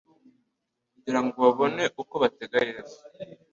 kugira ngo babone uko batega Yesu.